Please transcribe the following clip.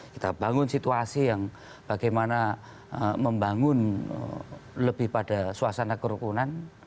kita bangun situasi yang bagaimana membangun lebih pada suasana kerukunan